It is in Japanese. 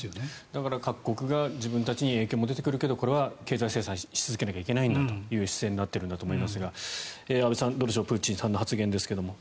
だから各国が自分たちに影響が出てくるけどこれは経済制裁し続けなきゃいけないんだという姿勢になっているんだと思いますが安部さん、どうでしょうプーチンさんの発言ですが。